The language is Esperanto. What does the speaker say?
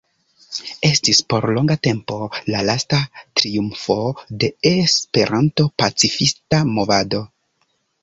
Estis por longa tempo la lasta triumfo de E-pacifista movado.